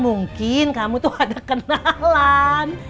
mungkin kamu tuh ada kenalan